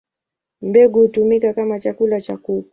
Mbegu hutumika kama chakula cha kuku.